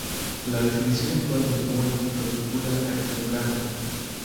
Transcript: La definición actual del mol lo vincula al kilogramo.